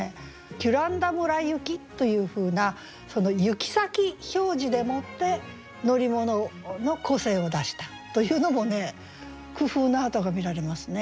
「キュランダ村行き」というふうなその行き先表示でもって乗り物の個性を出したというのも工夫の跡が見られますね。